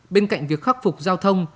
bên cạnh việc khắc phục giao thông